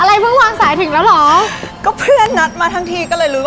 อะไรเพื่อนวางสายถึงแล้วหรอ